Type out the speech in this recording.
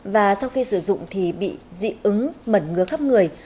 và sau khi sử dụng thì bị dị ứng mẩn ngứa khắp người